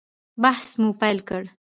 بحث مو پیل کړ.